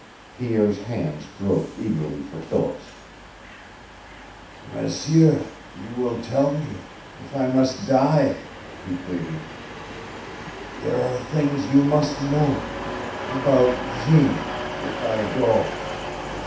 Pierre's hands groped eagerly for Philip's. "M'sieur you will tell me if I must die?" he pleaded. "There are things you must know about Jeanne if I go.